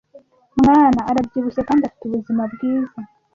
mwana arabyibushye kandi afite ubuzima bwiza.